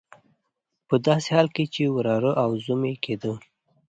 په داسې حال کې چې وراره او زوم یې کېدی.